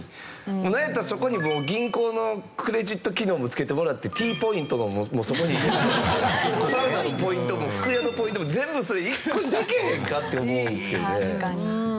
なんやったらそこに銀行のクレジット機能もつけてもらってＴポイントとかもそこに入れてもらってサウナのポイントも服屋のポイントも全部それ１個にできへんかって思うんですけどね。